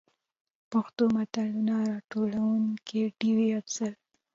پښتو متلونو: راټولونکې ډيـوه افـضـل.